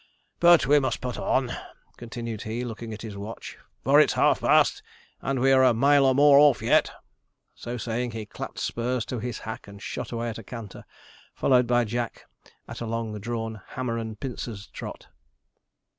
But we must put on,' continued he, looking at his watch, 'for it's half past, and we are a mile or more off yet.' So saying, he clapped spurs to his hack and shot away at a canter, followed by Jack at a long drawn 'hammer and pincers' trot.